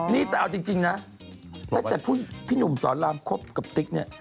นี่แต่เอาจริงนะตั้งแต่พี่หนุ่มสอนรามคบกับติ๊กเนี่ย